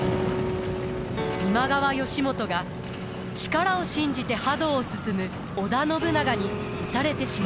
今川義元が力を信じて覇道を進む織田信長に討たれてしまいます。